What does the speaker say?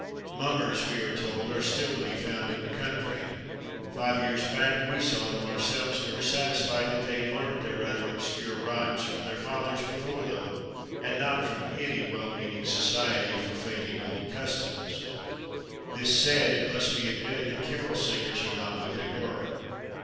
Mummers, we are told, are still to be found in the country ; five years back we saw them ourselves and were satisfied that they had learnt their rather obscure rhymes from their fathers before them, and not from any, well mean ing society for faking old customs. This said, it must be admitted that carol singers are not what they were.